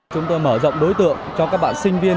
chúng tôi mở rộng đối tượng cho các bạn sinh viên